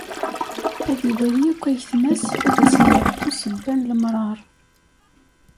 Ad iwali akk ayetma-s, ad asen-yeḥku ssebba n lemṛaṛ.